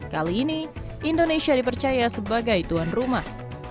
kali ini indonesia dipercaya sebagai tuan rumah